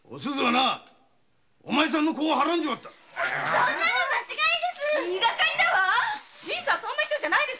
そんなの間違いです